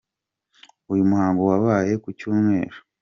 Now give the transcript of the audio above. Uyu muhango wabaye ku Cyumweru